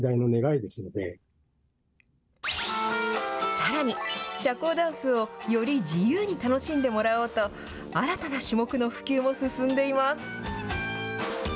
さらに社交ダンスをより自由に楽しんでもらおうと新たな種目の普及も進んでいます。